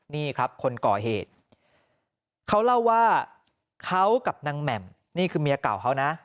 นี่ครับคนก่อเหตุเขาเล่าว่าเขากับนางแหม่มนี่คือเมียเก่าเขานะ